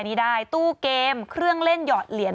นี้ได้ตู้เกมเครื่องเล่นหยอดเหรียญ